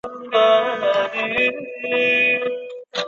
鸾山湖湿地是一片位于台湾台东县延平乡鸾山部落的湿地。